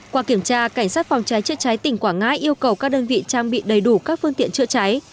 qua kiểm tra cảnh sát phòng cháy chữa cháy tỉnh quảng ngãi yêu cầu các đơn vị trang bị đầy đủ các phương tiện chữa cháy